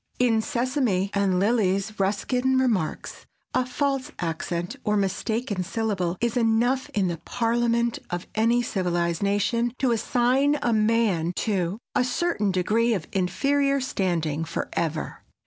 In Sesame and Lilies Ruskin remarks, "A false accent or a mistaken syllable is enough in the parliament of any civilized nation, to assign a man to a certain degree of inferior standing forever."